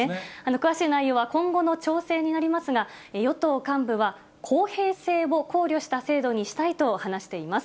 詳しい内容は今後の調整になりますが、与党幹部は、公平性を考慮した制度にしたいと話しています。